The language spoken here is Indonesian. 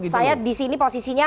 saya di sini posisinya